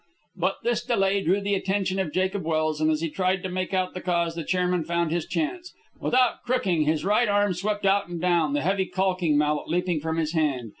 But this delay drew the attention of Jacob Welse, and, as he tried to make out the cause, the chairman found his chance. Without crooking, his right arm swept out and down, the heavy caulking mallet leaping from his hand.